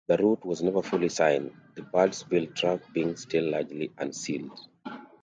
The route was never fully signed, the Birdsville Track being still largely unsealed.